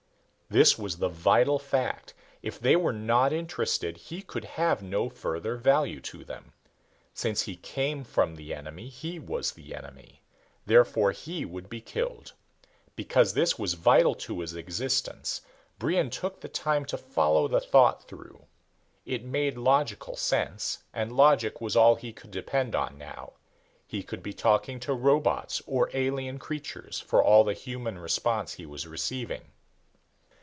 This was the vital fact. If they were not interested he could have no further value to them. Since he came from the enemy, he was the enemy. Therefore he would be killed. Because this was vital to his existence, Brion took the time to follow the thought through. It made logical sense and logic was all he could depend on now. He could be talking to robots or alien creatures, for all the human response he was receiving.